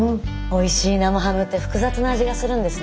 おいしい生ハムって複雑な味がするんですね。